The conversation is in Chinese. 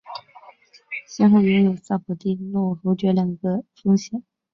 先后拥有萨博蒂诺侯爵两个封衔。